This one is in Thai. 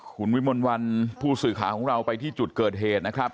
คุณวิมลวันผู้สื่อข่าวของเราไปที่จุดเกิดเหตุนะครับ